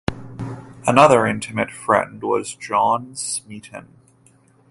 Another intimate friend was John Smeaton.